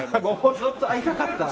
ずっと会いたかった。